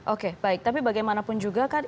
oke baik tapi bagaimanapun juga kan